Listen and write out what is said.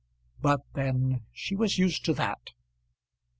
But then she was used to that.